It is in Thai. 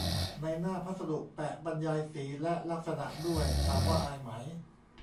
ในหน้าพัสดุแปะบรรยายสี และ ลักษณะด้วย ถามว่าอายไหม !